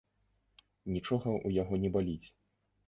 Нічога ў яго не баліць.